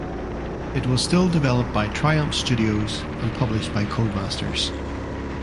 It was still developed by Triumph Studios and published by Codemasters.